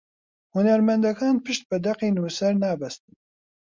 هونەرمەندەکان پشت بە دەقی نووسەر نابەستن